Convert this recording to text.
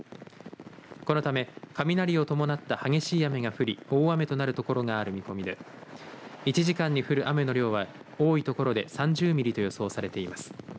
このため、雷を伴った激しい雨が降り大雨となるところがある見込みで１時間に降る雨の量は多いところで３０ミリと予想されています。